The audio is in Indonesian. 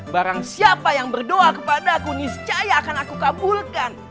barang siapa yang berdoa kepadaku niscaya akan aku kabulkan